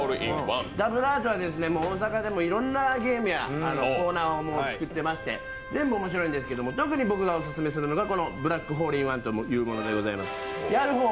ダブルアートは大阪でもいろんなゲームやコーナーを持っていまして全部面白いんですけど特に僕がオススメするのはこの「ブラックホールホンワン」というものでございます。